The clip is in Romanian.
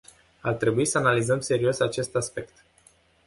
Ar trebui să analizăm serios acest aspect.